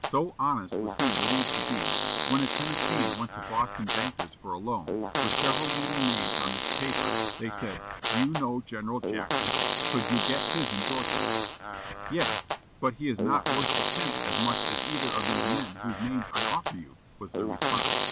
So honest was he believed to be, when a Tennessean went to Boston bankers for a loan, with several leading names on his paper, they said, "Do you know General Jackson? Could you get his endorsement?" "Yes, but he is not worth a tenth as much as either of these men whose names I offer you," was the response.